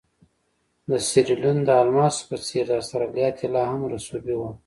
د سیریلیون د الماسو په څېر د اسټرالیا طلا هم رسوبي وه.